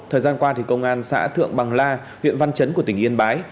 thời gian qua công an xã thượng bằng la huyện văn chấn của tỉnh yên bái